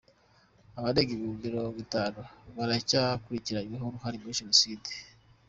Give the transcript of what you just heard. Abarenga ibihumbi mirongo itanu baracyakurikiranyweho uruhare muri Jenoside